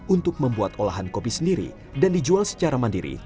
untuk membuat olahan kopi sendiri dan dijual secara mandiri